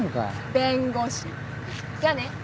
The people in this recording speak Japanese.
弁護士じゃあね。